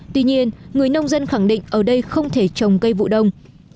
tuy nhiên người nông dân khẳng định ở đây không thể trồng cây vụ đông